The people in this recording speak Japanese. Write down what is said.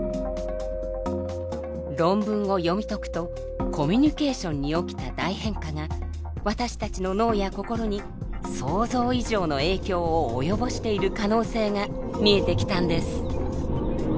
論文を読み解くとコミュニケーションに起きた大変化が私たちの脳や心に想像以上の影響を及ぼしている可能性が見えてきたんです。